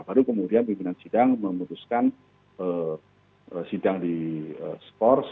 baru kemudian pimpinan sidang memutuskan sidang di skors